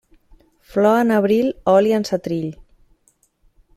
Flor en abril, oli en setrill.